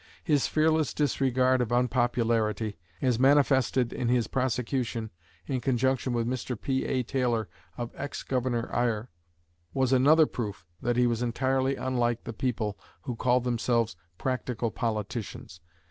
His fearless disregard of unpopularity, as manifested in his prosecution, in conjunction with Mr. P.A. Taylor, of Ex Governor Eyre, was another proof that he was entirely unlike the people who call themselves "practical politicians."